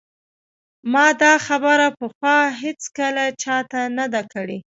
ما دا خبره پخوا هیڅکله چا ته نه ده کړې